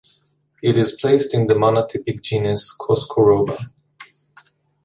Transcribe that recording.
It is placed in the monotypic genus "Coscoroba".